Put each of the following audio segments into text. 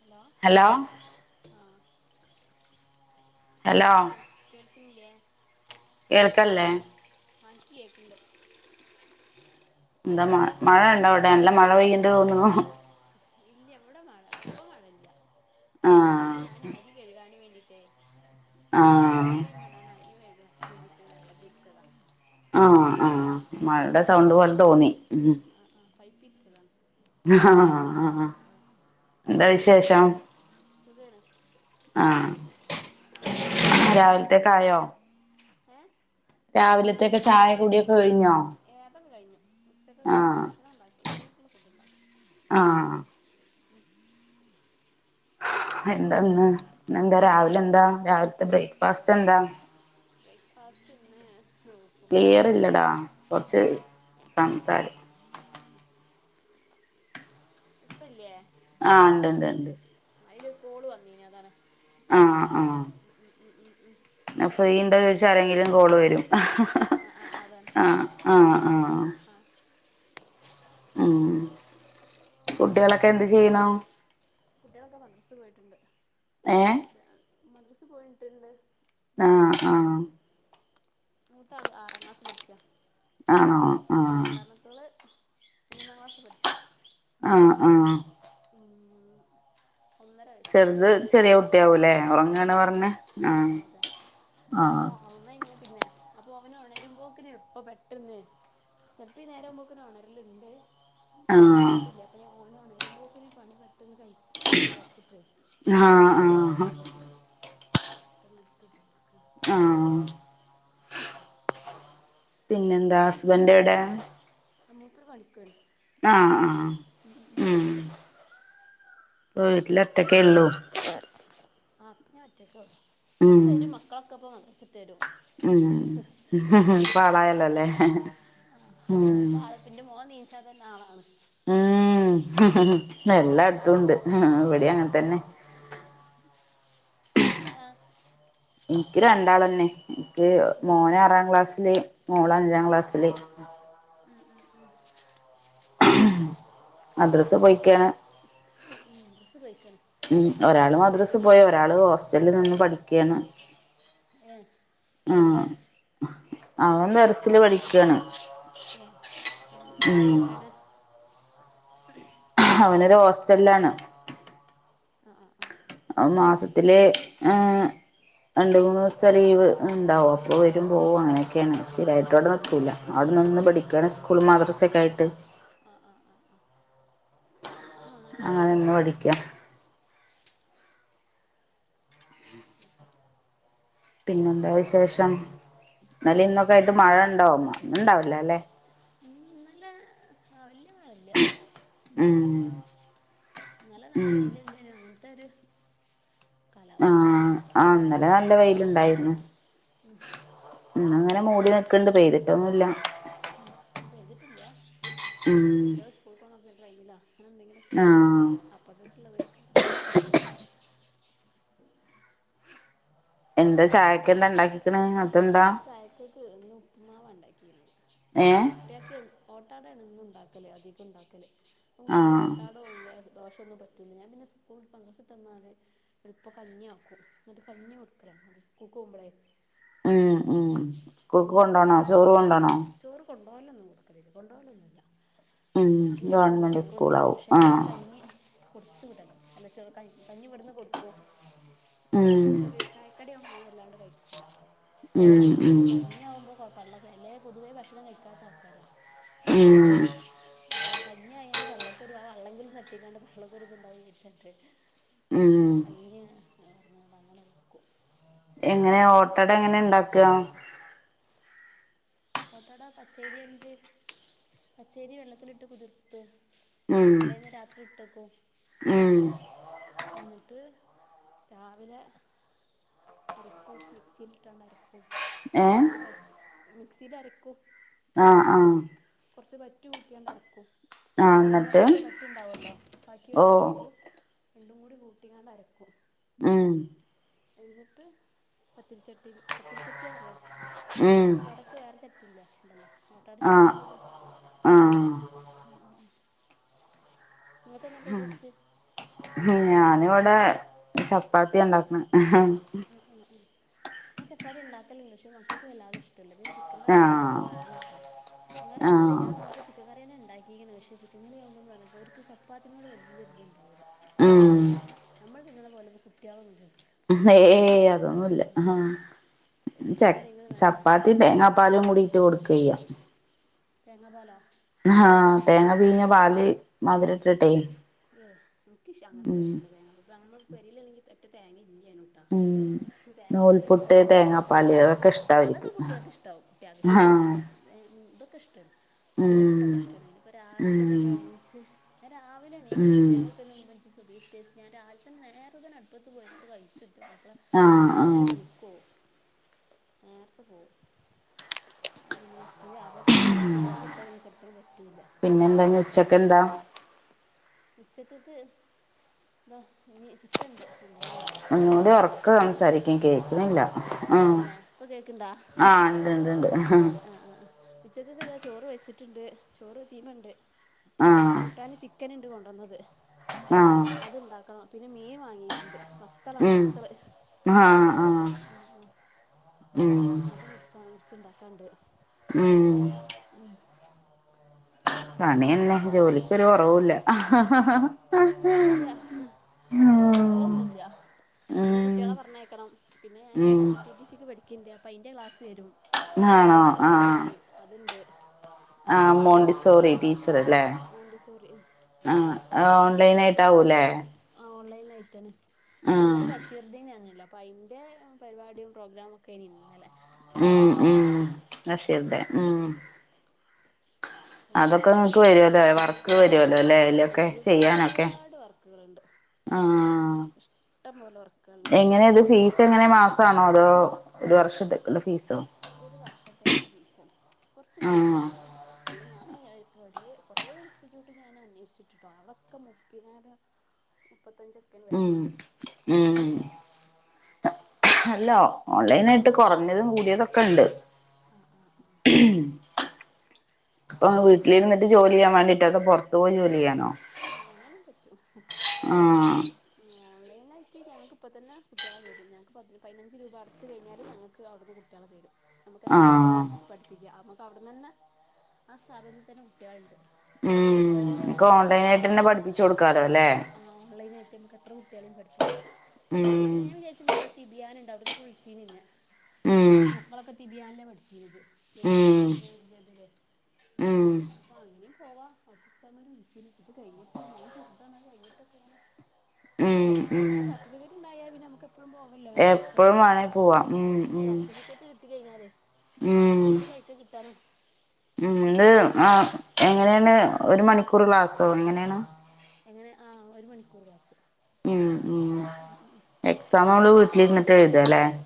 Hello hello ആഹ hello കേ കേൾക്ക്ന്ണില്ല്യേ കേൾക്കല്ലേ ആ ഇൻക്കേൾക്കണ്ട് എന്താ മ മഴ ഉണ്ടവിടെ നല്ല മഴ പെയ്യ്ണ്ട് തോന്നുണൂ ഇല്ല്യ വിടെ മഴ ഇപ്പ മഴല്ല അത് ആഹ് ഞാൻ അരി കഴികാന് വേണ്ടിട്ടേ ആഹ് ചോറീമടാൻ അരികയികാൻ വേണ്ടിട്ട് വെള്ളം തിരിചതാ ആഹ ആഹാ മഴയുടെ സൗണ്ട് പോല തോന്നി ഉം ആഹാ ആഹാ പൈപ്പ് തിരിച്ചതാണ് ആഹാ ഹാ എന്താ വിശേഷം സുഖമാണ് ആഹ ചായയൊക്കെ കുടിച്ചോ രാവിലത്തെക്കായോ ഏ രാവിലത്തെക്കെ ചായ കുടിയൊക്കെ കഴിഞ്ഞോ ഏതൊകെ കഴിഞ്ഞു ഉച്ചക് ആഹ് ഭക്ഷണം ഉണ്ടാക്കി ഉച്ചകക്കുള്ള ഫുഡ് ഉണ്ടാക്കി ആഹാ ഉം എന്താന്ന് എന്താ രാവിലെ എന്താ രാവിലത്തെ ബ്രേക്ക്ഫാസ്റ്റ് എന്താ ബ്രൈക്ക്ഫാസ്റ്റ്ന്ന് ക്ലിയറില്ലടാ കുറച്ച് സംസാരം... ഇപ്പല്ല്യേ ആ ണ്ട് ണ്ട് ണ്ട് അയില് കോള് വന്നീനു അതാണ് ആ ആ ഫ്രീയിണ്ടോ ചോദിച്ച ആരെങ്കിലും കോള് വരും ആ ആ ആ, അതാണ് ആ ആആ ആ ഉഹ് കുട്ടിയോളൊക്കെ എന്ത് ചെയ്യ്ണു കുട്ടികളൊക്കെ മദ്രാസ പോയിട്ടുണ്ട് ഏ മദ്രസ് പോയിട്ട്ണ്ട് ആ ആ മൂത്താള് ആറാക്ലാസ് പഠിക്ക ആണോ ആ രണ്ടാമത്തോള് മൂന്നാം ക്ലാസ് പഠിക്ക ആഹ് ചെറുത് ആഹ് ഉം ഒന്നര വയസ്സ ചെറുത് ചെറിയ ചെറുത് കുട്ടിയാവൂല്ലേ ഉറങ്ങാണ് രണ്ടാ ആ പറഞ്ഞെ ആ ആഹ് ആ അതെ അവന ആഹ് ഒണന്നെയ്ഞാ പിന്നെ അപ്പൊ അവന് ഉണരുമ്പോക്കിന് പ്പ പെട്ടെന്ന് ചെല്പ്പൊ ഈ നേരപോക്കിന് ഉണരല്ണ്ട് പൊ ആഹ് ഉണത്തിടില്ല അപ്പൊ ഞാൻഓന് ഒണരുമ്പോ കിന് പണി പെട്ടന്ന് കഴിക്കാ വിചാരിച്ചിട്ട് ആ ആ അ തമർത്തക്ക [unintelligible] ആ പിന്നെ എന്താ ഹസ്ബൻഡ് എവിടെ മൂപ്പര് പണിക്ക് പോയിണ് ആഹ് ആഹ് ഉം വീട്ടില് ഒറ്റക്കേ ഉള്ളൂ ആ ഇപ്പോ ഞാൻ ഒറ്റയ്ക്കേ ഉള്ളൂ ഇപ്പൊ ഉം വരും മക്കളൊക്കെ ഇപ്പ മദ്രസ വിട്ട് വരും ഉം ഇപ്പോ ആളായല്ലോലെ ആഹ് അപ്പൊ ആൾപ്പിന്റെ മോ തീരുന്ന വരെ കാണാല്ലോ ഉം എല്ലായിടത്തുണ്ട് ഇവിടെയും അങ്ങനെ തന്നെ [unintelligible] എനിക്ക് രണ്ടാളന്നെ ഇത് മോന് ആറാം ക്ലാസ്സില് മോള് അഞ്ചാം ക്ലാസ്സില് ഉം ഉം... മദ്രസെ പോയിക്കയാണ് മദ്രസെ പോയിക്കാണ് ഒരാള് ഇപ്പം മദ്രസെ വരും പോയെ ഒരാള് ഹോസ്റ്റലിൽ നിന്ന് പഠിക്കയാണ് ഏഹ് എവിടെ ആഹ് അവൻ ടെറസില് പഠിക്കയാണ് ഏഹ് എ എവിടാണ് അവനൊരു ഹോസ്റ്റലാണ് ആഹ് ആഹ് മാസത്തില് രണ്ട് മൂന്ന് ദിവസത്തെ ലീവ് ഉണ്ടാവും അപ്പോൾ വരും പോവും അങ്ങനെയൊക്കെയാണ് സ്ഥിരമായിട്ടിവിടെ നിൽക്കില്ല അവിടെ നിന്ന് ആ പഠിക്കാണ് സ്കൂൾ മാദ്രസ ഒക്കെ ആയിട്ട് ആഹ് ആഹ് ആഹ് ആഹ് ഇന്ന് പഠിക്ക്യ. ശരി ശരി പിന്നെന്താ വിശേഷം? ഇന്നലെ ഇന്നൊക്കെ ആയിട്ട് മഴ ഇണ്ടോ? ഇന്ന്ണ്ടാവില്ലാല്ലെ? ഇന്നലെ വല്യ മഴയില്ല മ്മ് ഇങ്ങനത്തൊരു അവസ്ഥേലാ ആഹ് ആഹ് ഇന്നലെ നല്ല വെയിലുണ്ടായിരുന്നു. ഇന്നിങ്ങനെ മൂടി നിക്കണ്ട് പെയ്തിട്ടൊന്നുല്ല. ചെയ്തിട്ടില്ല. ഉം കുട്ടികള് സ്കൂൾക്ക് പോണ ടൈമിലാ. അപ്പോ എന്തെങ്കിലും കയ്ക്കാരം, ആഹ് അപ്പൊത്തൊട്ടുള്ള വയ്ക്കാരം. എന്താ ചായക്കെന്താ ഇണ്ടാക്കീക്ക്ണ്? അതെന്താ? ചായക്കേക്ക് ഇന്ന് ഉപ്പ്മാവാ ഇണ്ടാക്കീനത്. ഏഹ് കുട്ട്യേക്ക് ഒ പുട്ടാണ് എന്നുണ്ടാക്കല് അധികം ഉണ്ടാക്കല്. കുട്ട്യേക്ക് ആഹ് ഓട്ടാട [unintelligible] ദോശയൊന്നും പറ്റൂല്ല. ഞാൻ പിന്നെ സ്കൂൾ, മദ്രസ വിട്ട് വന്നാല് ഇപ്പൊ കഞ്ഞിയാക്കും. എന്നിട്ട് കഞ്ഞി കൊട്ക്കലാ സ്കൂൾക്ക് പോവുമ്പളേ. ഉം ഉം സ്കൂൾക്ക് കൊടുക്കും കൊണ്ടോണോ ചാ ചോറ് കൊണ്ടോണോ? ചോറ് കൊണ്ടു പോവലൊന്നു കൊടുക്കലില്ല. കൊണ്ടുപോകലൊന്നുല്ല. ഉം സ്കൂൾലന്നെ ഉണ്ട് ഗവൺമെന്റ് ചോറുണ്ടാവും. സ്കൂളാവും പക്ഷെ ഞാന് ആഹ് കഞ്ഞി കഞ്ഞി കൊടുത്തു വിടാണ്. അല്ല ചോറ് കഞ്ഞി ഇവിടുന്ന് കൊടുക്കും. ഉം ചെറിയൊ ചായക്കടിയൊന്നു അങ്ങനെ വല്ലാണ്ട് കഴിക്കൂല. ഉം ഉം അപ്പൊ കഞ്ഞിയാവുമ്പോ കൊഴപ്പള്ളക്ക്, അല്ലെ പൊതുവേ ഭക്ഷണം കഴിക്കാത്ത ആൾക്കാരാ. ഉം അപ്പൊ കഞ്ഞി ആയാല് പള്ളക്കൊരു ആ വെള്ളെങ്കിലും തട്ടിങ്ങാണ്ട് പള്ളക്കൊരിത് ഇണ്ടാവും വെച്ചിട്ട്. ഉം കഞ്ഞി പറഞ്ഞ്ങ്ങാണ്ട് അങ്ങനെ നിക്കും. എങ്ങനെയാ ഓട്ടട എങ്ങനെയാ ഇണ്ടാക്ക്വാ? ഓട്ടടാ പച്ചരി ഇണ്ട്. പച്ചരി വെള്ളത്തിലിട്ട് കുതിർ ത്തും. തലേന്ന് രാത്രി ഇട്ടെക്കും. ഊം. ന്നിട്ട് രാവിലെ അരക്കും മിക്സീല്ട്ടാണ്ടരക്കും. അത് ഏ കൊറച്ച് വറ്റി, മിക്സീലരക്കും. ആഹ് ആഹ് കൊറച്ച് വറ്റ് കൂട്ടിയണ്ടരക്കും. ആഹ് ന്നട്ട് തലേന്നൊക്കത്തെ വറ്റ്ണ്ടാവല്ലോ? ബാക്കി ഓ വര്ന്ന ചോറും രണ്ടും കൂടി കൂട്ടീങ്ങാണ്ടരക്കും. ഉം. എന്നിട്ട് പത്തിരിച്ചട്ടീല്, പത്തിരിച്ചട്ടി അറിയ്യോ? ഉം ഓട്ടട ക്ക് വേറെ ചട്ടി ഇല്ലേ? ഉണ്ടല്ലോ ഓട്ടട ആഹ് ചട്ടീല് ചുടും. ആഹ് ഉം. നിങ്ങക്കെന്നാ ബ്രേക്ക് ഫാസ്റ്റ്? ഹും ഞാ ഞാനിവിടെ ചപ്പാത്തിയാ ഇണ്ടാക്കണ്. അഹ് അഹ്. ഞാൻ ചപ്പാത്തി ഇണ്ടാക്കല്ണ്ട്. പക്ഷേ മക്കക്ക് വല്ലാതെ ഇഷ്ടല്ല. പിന്നെ ചിക്കൻ കറി എന്തെങ്കിലും ആഹ് വേണട്ടോ. ചിക്കൻ കറി ഇണ്ട്. ആഹ് ഞാനിന്ന്പ്പോ ചി ചിക്കൻ കറിയന്നെയാ ഇണ്ടാക്കീക്ക്ന്ന്. പക്ഷെ ചിക്കൻ കറി ആവുമ്പംന്ന് പറഞ്ഞാ ഓല്ക്ക് ചപ്പാത്തിനോട് വല്യ ഒരിത്ണ്ടാവൂല. ഉം പിന്നെ നമ്മള് തിന്നണ പോലെയൊന്നും കുട്ട്യേള് തിന്നൂല്ല. ഹേയ്. ഒന്നുല്ല. ഹാ. എടുക്കുക എന്തെങ്കിലും നല്ല ചപ്പാത്തി ഭക്ഷണം തേങ്ങാപ്പാലും കൂടി ഇട്ട് കൊട്ക്കെയ്യാ. തേങ്ങാപ്പാലാ? ഹാ തേങ്ങ പീഞ്ഞ പാല് മധുര ഇട്ടിട്ടേ. ഏഹ് എന്ക്ക്‌ ഇഷ് അത്ര ഇഷ്ടല്ല തേങ്ങ. പെരീലാണെങ്കില് ഒറ്റത്തേങ്ങ ഇല്ലേനു. ഉം. ഉം തേങ്ങക്കെ എന്തെങ്കിലും നൂൽപുട്ട് കാട്ടി കൊടുക്കട്ടെ തേങ്ങാപ്പാല് എന്നക്കെ അതൊക്കെ ഇഷ്ടാ ആ അവര്ക്ക് അതൊക്കെ കുട്ടികൾക്ക് ഇഷ്ടവും. [unintelligible] ആഹ് തൊ ഇതൊക്കെ ഇഷ്ട്ടന്നെ. നൂൽ ഉം പുട്ടൊക്കെ ഇഷടാണ്. ഇപ്പൊ രാവിലെ തന്നെ ഉം നമ്മ എണീച്ച് ഞാൻ രാവിലെ എണിക്കു ഉം ഞങ്ങൾപിന്നെ ഉമ്മച്ചി സുബഹി നിസ്കരിച്ചു ഞാൻ രാവിലെ തന്നെ നേരെത്തെ തന്നെ അടുപ്പത്തു വെക്കൽ കയ്ച്ചും മാപ്ല ആഹ് രാവിലെ ആഹ് പണിക്കവും നേരെത്തെ പോവും. അത്‌ പിന്നെ ന്റെ മാപ്ലക്ക് അയ്ൻ സുബഹി ബാങ്ക് കൊടുത്താൽ പിന്നെ കെടക്കുന്നത് പറ്റൂല്ല. പിന്നെ എന്തന്ന് ഉച്ചക്കന്താ? ഉച്ചക്കക്ക് എന്താ ഇനി ചിക്കന് ഉണ്ട് കൊണ്ടന്നത് ഇണ്ട്. ആഹ് ഒന്നുകൂടി ഉറക്കെ സംസാരിക്കി കേൾക്കുന്നില്ല. തന്നെ ഇപ്പൊ കേക്കണ്ടാ ആഹ് ഇണ്ട് ഇണ്ട് ഇണ്ട് ആഹ് ആഹ്. ഉച്ചകക്ക് താ ചോറ് വെച്ചിട്ടുണ്ട് ചോറ് തീമ ഉണ്ട് ആഹ് കൂട്ടാൻ ചിക ക്കൻ ഉണ്ട് കൊണ്ടുവന്നത്. ആഹ് അത് ഇണ്ടാക്കണം പിന്നെ മീൻ വാങ്ങിയിട്ടുണ്ട്. വത്തളാണ് ഉം വത്തല് ആഹ് ആഹ് ആഹ് ആഹ് ഉം അത് മുറിച്ച മുറിച്ചുണ്ടാക്കാണ്ട്. ഉം ഉം പണി തന്നെ ജോലിക്കൊരു കുറെവുല്ല. ഇല്ല കൊറവൊന്നുല്ല പിന്നെ ഉം കുട്ടികളെ പറഞ്ഞക്കണം. പിന്നെ ഞാൻ ഉം എം ടി ടി സിക്ക് പഠിക്കുന്നുണ്ട് അപ്പോൾ അതിൻ്റെ ക്ലാസ് വരും ആണോ പന്ത്രണ്ട് മണിയാകുമ്പോൾ ആയി അതേണ്ട്. ആഹ് മോണ്ടിസോറി ടീച്ചർ അല്ലേ മോണ്ടിസോറി ആഹ് ആ ഓൺലൈൻ ആയിട്ടാവുലെ? ആ ഓൺലൈൻ ആയിട്ടന്ന്. ഇന്നലെ ബഷീർ ദിനായന്നല്ലോ. ഇപ്പ അയിന്റെ പരിപാടിയും പ്രോഗ്രമൊക്കെയായിനെ ഇന്നലെ. ഉം ഉം ബഷിർന്റെ ഉം അപ്പൊ അതൊക്കെ നിങ്ങക്ക് വരുവല്ലേ. വർക്ക് വരുല്ലോ അല്ലേ അലൊക്കെ ഒരുപാട് ചെയ്യാനൊക്കെ. ഒരുപാട് വർക്കുകളുണ്ട് ആഹ് ഇഷ്ടം പോലെ വർക്കുകളുണ്ട് എങ്ങനെത് ഫീ സ് എങ്ങനെ മാസണോ അതോ ഒരു വർഷത്തക്കുള്ള ഫീസോ. ഒരു വർഷത്തേക്കുള്ള ഫീസാണ്. കുറച്ച് ആ ഫീസള്ളൂ അല്ല ഞാനേ ഇപ്പൊ ഒരേ കുറെ ഇൻസ്റ്റിറ്റ്യൂട്ട് ഞാൻ അന്വേഷിച്ചിട്ടിട്ടോ അവിടേക്കെ മുപ്പയിനായിരം മുപ്പത്തഞ്ച് ഉം ഉം അല്ല ഓൺലൈൻ ആയിട്ട് കുറഞ്ഞതും കൂടിയതൊക്കെ ഉണ്ട്. ആഹ് ആഹ് ആഹ് അപ്പൊ വീട്ടിലിരുന്നിട്ട് ജോലി ചെയ്യാൻ വേണ്ടിട്ടോ അത പുറത്തു പോയി ജോലി ചെയ്യാനോ. ആഹ് എങ്ങനെയും പറ്റൂ. ആ ഓൺലൈനായിട്ട് ഞങ്ങൾക്ക്പ്പോ തന്നെ കുട്ടികളെ തരും ഞങ്ങക്ക് പ പതിനഞ്ച് രൂപ അടച്ചു കഴിഞ്ഞാല ഞങ്ങക്ക് അവിടുന്ന് കു ട്ടിയാളെ തരും. നമുക്ക് എത്ര കുട്ടികളും ആ പഠിപ്പിക്കുക നമുക്ക് അവിടെ തന്നെ ആ സ്ഥാപനത്തിൽ തന്നെ കുട്ടികളുണ്ട്. അവരെന്നെ നമുക്ക് തരു അതിനായിട്ട്ന്ന പഠപ്പിച്ച കൊടുക്കാറ ആ ഓൺലൈൻ ആയിട്ട് നമുക്ക് എത്ര കുട്ടികളെയും പഠപ്പിക്കാ ഉം പിന്നെ ഞാൻ വിചാരിച്ചിട്ട ഇവിടെ തിബിയാന ഉണ്ട് അവിടുന്നൊക്കെ വിളിച്ചീന്നെ ഉം മോക്കളൊക്കെ തിബിയാനല്ലേ പഠിച്ചിരുന്നത്. ഉം [unintelligible] ഉം അപ്പൊ അങ്ങനെയും പോവാ അവിടെത്തെ ഉസ്താദമാരെയും വിളിച്ചിനെ [unintelligible] കഴിഞ്ഞിട്ട് മോൻ ചെറുതണ അതെ കഴിഞ്ഞിട്ടൊക്കെ ഇങ്ങനെ ഉം പഠിച്ച ഉം കഴിഞ്ഞ സർട്ടിഫിക്കറ്റ് ഉണ്ടായാ പിന്ന നമുക്കെപ്പഴും പോ എപ്പഴും വേണേ പോവാ ഉം [unintelligible] ഉം സർട്ടിഫിക്കറ്റ് കിട്ടി കഴിഞ്ഞാല് ഇത് കഴ [unintelligible] ഒക്കെ കിട്ടാണ് [unintelligible] ഉ ഇത് ആ എങ്ങനെയാണ് ഒരു മണിക്കൂർ ക്ലാസോ എങ്ങനെയാണ്. എങ്ങനെ ആ ഒരു മണിക്കൂർ ക്ലാസ്സ്‌. ഉം ഉ എക്സാം അവൾ വീട്ടിലിരുന്നിട്ട് എഴുത അല്ലേ [unintelligible]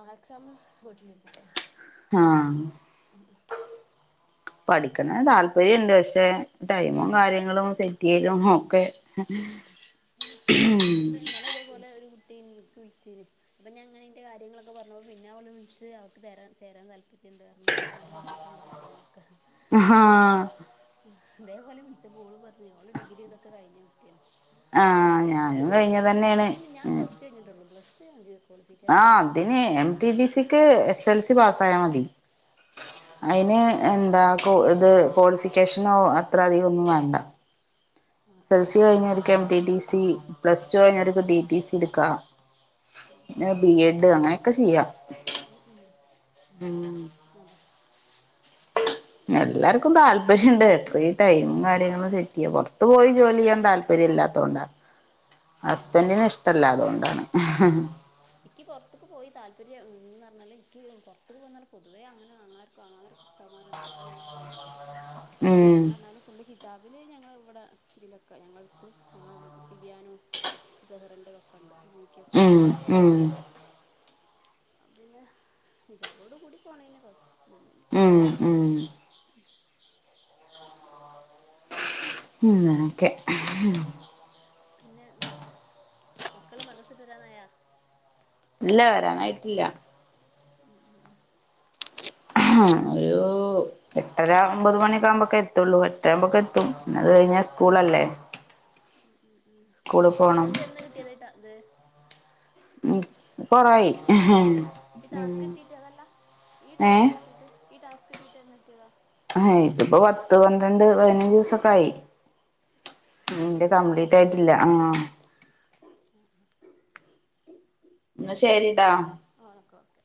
ആ എക്സാം വീട്ടിൽ ഇരുന്നിട്ട്. ആഹ്. പഠിക്കണ താല്പര്യംണ്ട് പക്ഷെ ടൈമും കാര്യങ്ങളും സെറ്റ് ചെയ്യലും ഒക്കെ ഉം. എനിക്ക് തോന്നുന്നുണ്ട്. ഇന്നലെ അതേപോലെ ഒരു കുട്ടി എനിക്ക് വിളിച്ചിന് അപ്പം ഞാൻ അങ്ങനെൻ്റെ കാര്യങ്ങളൊക്കെ പറഞ്ഞപ്പോൾ പിന്നെ അവള വിളച്ച് അവക്ക് ചേരാൻ ചേരാൻ താല്പര്യമുണ്ട് കാരണം അവളന്നോട് പറഞ്ഞിട്ടുണ്ട് കാര്യങ്ങളൊക്കെ ആഹ് അതേപോലെ വിളിച്ചപ്പോള് പറഞ്ഞു ഓള് ഡിഗ്രി ഇതൊക്കെ കഴിഞ്ഞ കുട്ടിയാണ്. ആഹ് ഞാനും അപ്പോൾ കഴിഞ്ഞത് ഓളും പറഞ്ഞ ഞാൻ തന്നെയാണ് പ്ലസ് ടൂ [unintelligible] കഴിഞ്ഞിട്ടുള്ളു. ആ അതിനെ എം ടി ഡി സിക്ക് എസ് എൽ സി പാസ് ആയ മതി. അതിന് എന്താ ഇത് ക്വാളിഫിക്കേഷനോ അത്ര അധികം ഒന്നും വേണ്ട. ആ ആ എ എൽ സി കഴിഞ്ഞവർക്ക് എംടി ടിസി പ്ലസ് ടു കഴിഞ്ഞർക്കും ടി ടി സി എടുക്കാം. പിന്നെ ബി എഡ് അങ്ങനെയൊക്കെ ചെയ്യാം. ഉം ഉം ഉം [unintelligible] എല്ലാവർക്കും താല്പര്യുണ്ട് എത്ര ടൈമും കാര്യങ്ങളും സെറ്റ് ചെയ്യ പുറത്ത് പോയി ജോലി ചെയ്യാൻ താല്പര്യം താല്പര്യം ഇല്ലാത്ത കൊണ്ടാണ് ആ ഹസ്ബൻറിന് ഇഷ്ടമല്ലാതുകൊണ്ടാണ്. എനിക്ക് പുറത്തേക്ക് പോയി താല്പര്യംന്ന് പറഞ്ഞാൽ എനിക്ക് പുറത്തക്ക് പോന്നാലൽ പൊതുവേ അങ്ങനെ ആങ്ങ ആാർക്കും ആങ്ങാ ഉസ്താദ് മാരാന് [unintelligible] ഉം പിന്നേെന്ന് പറഞ്ഞാൽ പുള്ളി ഹിജാബിൽ ഞങ്ങൾ ഇവിടെ ഇതിലൊക്കെ ഞങ്ങളടുത്ത് ഞങ്ങൾ തിബിയനും. സെഹ്റൻന്റെ ഒക്കെ ഉണ്ട് ജീക്കൊക്കെ ഉണ്ട്. ഉം ഉം. അപ്പ പിന്നെ ഹിജാബ് ഓട് കൂടെ പോണത് കൊണ്ട് കുഴപ്പമില്ല. ഉം ഉം. അങ്ങനൊക്കെ. പിന്നെതാ മക്കള് മദ്രസട്ട് വിട്ട് വരാനായാ. ഇല്ല വരാനായിട്ടില്ല. [unintelligible] ആഹ് [unintelligible] എട്ടര ഒമ്പത് മണിയൊക്ക ആകുമ്പോക്കെ എത്തുള്ളൂ എട്ടര ആകുമ്പോക്കെ എത്തും പിന്ന അത് കഴിഞ്ഞാൽ സ്കൂളല്ലേ. സ്കൂളിൽ പോണം നിങ്ങൾക്ക് എന്ന് കിട്ടിയതായിട്ട ത് ഉം കൊറായി. ഈ ടാസ്ക് ഉം കിട്ട് അതല്ല ഈ ഏ ടാസ്ക് കിട്ടീട്ട് ഈ ടാസ്ക് കിട്ടിന്ന്ട്ടിയതാ. ആഹ് ഇതിപ്പോ പത്ത് പന്ത്രണ്ട് പതിനഞ്ച് ദിവസൊക്കെ ആയി എൻ്റെ കിട്ടിയിട്ടില്ലേ കംപ്ലീറ്റ് ആയിട്ടില്ല ആഹ്. [inaudible] എന്നാ ശരിട്ടാ. ആഹ് ഓക്കെ ഓക്കെ.